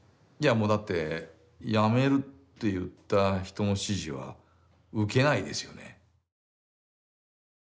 いやもうだって辞めるって言った人の指示は受けないですよね。